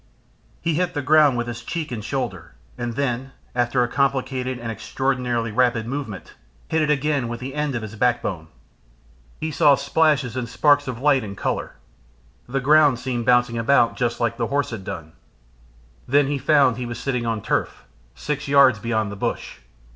He hit the ground with his cheek and shoulder, and then, after a complicated and extraordinarily rapid movement, hit it again with the end of his backbone. He saw splashes and sparks of light and colour. The ground seemed bouncing about just like the horse had done. Then he found he was sitting on turf, six yards beyond the bush.